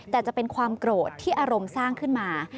แต่จะเป็นความโกรธที่อารมณ์สร้างขึ้นมา